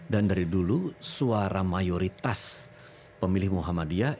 dan dari dulu suara mayoritas pemilih muhammadiyah